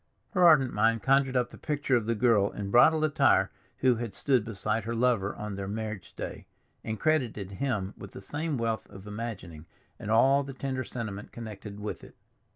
Her ardent mind conjured up the picture of the girl in bridal attire who had stood beside her lover on their marriage day, and credited him with the same wealth of imagining and all the tender sentiment connected with it.